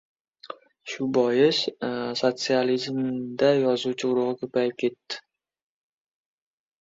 Shu bois, sotsializmda yozuvchi urug‘i ko‘payib ketdi.